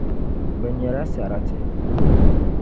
Bɛ nyɛla sarati.